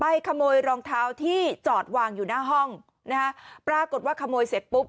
ขโมยรองเท้าที่จอดวางอยู่หน้าห้องนะฮะปรากฏว่าขโมยเสร็จปุ๊บ